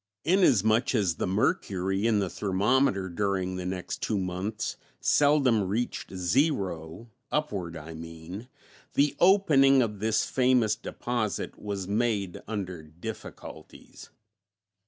Inasmuch as the mercury in the thermometer during the next two months seldom reached zero upward I mean the opening of this famous deposit was made under difficulties.